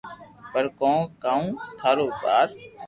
پر ڪرو ڪاو ٿارو يار